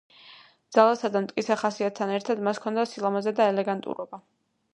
ძალასა და მტკიცე ხასიათთან ერთად მას ჰქონდა სილამაზე და ელეგანტურობა.